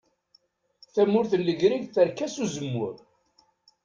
Tamurt n Legrig terka s uzemmur.